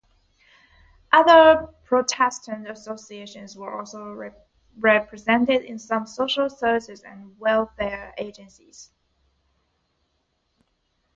Other Protestant associations were also represented in some social services and welfare agencies.